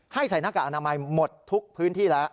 ใส่หน้ากากอนามัยหมดทุกพื้นที่แล้ว